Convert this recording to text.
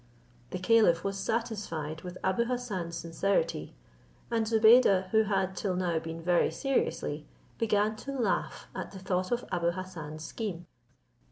The caliph was satisfied with Abou Hassan's sincerity, and Zobeide, who had till now been very serious, began to laugh at the thought of Abou Hassan's scheme.